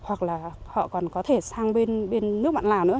hoặc là họ còn có thể sang bên nước bạn lào nữa